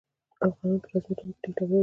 افغانان په رزمي لوبو کې ډېر تکړه دي.